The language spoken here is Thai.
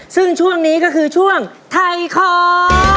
ซึ่งช่วงนี้ก็คือช่วงไทยของ